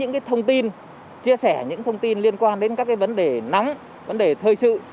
những cái thông tin chia sẻ những thông tin liên quan đến các cái vấn đề nắng vấn đề thời sự